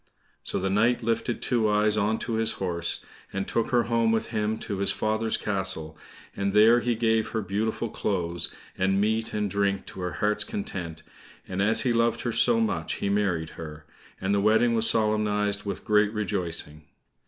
So the knight lifted Two eyes on to his horse, and took her home with him to his father's castle, and there he gave her beautiful clothes, and meat and drink to her heart's content, and as he loved her so much he married her, and the wedding was solemnized with great rejoicing.